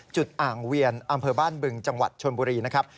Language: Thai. อ่างเวียนอำเภอบ้านบึงจังหวัดชนบุรีนะครับ